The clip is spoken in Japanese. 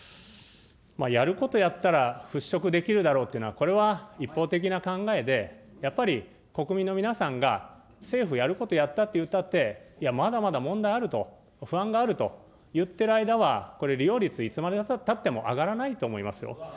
やることやったら、払拭できるだろうというのは、これは一方的な考えで、やっぱり国民の皆さんが、政府やることやったって言ったって、いや、まだまだ問題あると、不安があると言っている間は、これ利用率、いつまでたっても上がらないと思いますよ。